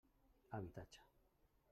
Habitatge.